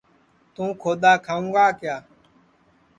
توں کھودؔا کھاوں گا کیا